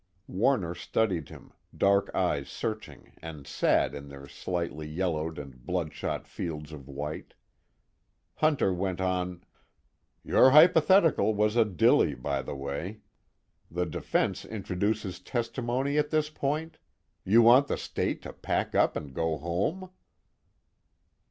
Warner studied him, dark eyes searching and sad in their slightly yellowed and bloodshot fields of white. Hunter went on: "Your hypothetical was a dilly, by the way. The defense introduces testimony at this point? You want the State to pack up and go home?"